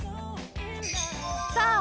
さあ。